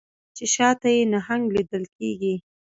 چې شا ته یې نهنګ لیدل کیږي